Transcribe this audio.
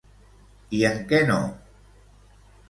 I en què no?